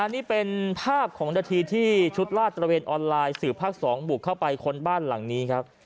นี่เป็นภาพของนาทีที่ชุดลาดตระเวนออนไลน์สื่อภาค๒บุกเข้าไปค้นบ้านหลังนี้ครับ